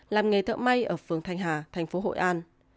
làm nghề thợ may ở phường thanh hà thành phố hội an